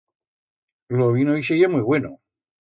Lo vino ixe ye muit bueno.